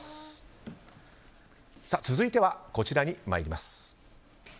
続いてはこちらに参ります。